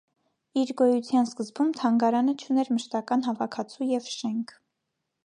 Իր գոյության սկզբում թանգարանը չուներ մշտական հավաքածու և շենք։